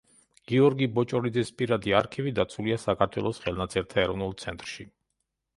გიორგი ბოჭორიძის პირადი არქივი დაცულია საქართველოს ხელნაწერთა ეროვნულ ცენტრში.